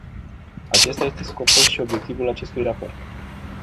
Acesta este scopul și obiectivul acestui raport.